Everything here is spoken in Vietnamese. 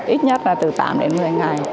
ít nhất là từ tám đến một mươi ngày